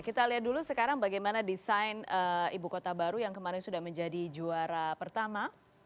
kita lihat dulu sekarang bagaimana desain ibu kota baru yang kemarin sudah menjadi juara pertama